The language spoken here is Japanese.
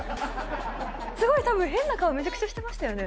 すごいたぶん、変な顔、めちゃくちゃしてましたよね。